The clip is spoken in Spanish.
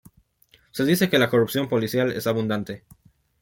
Se dice que la corrupción policial es abundante.